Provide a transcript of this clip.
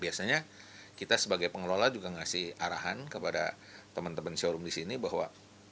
biasanya kita sebagai pengelola juga ngasih arahan kepada teman teman showroom di sini bahwa